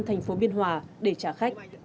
thành phố biên hòa để trả khách